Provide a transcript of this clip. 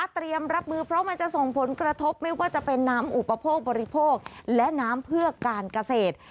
เตรียมรับมือเพราะมันจะส่งผลกระทบไม่ว่าจะเป็นน้ำอุปโภคบริโภคและน้ำเพื่อการเกษตร